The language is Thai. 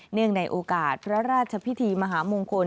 เนื่องในโอกาสพระราชพิธีมหามงคล